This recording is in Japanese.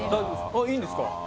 あっいいんですか？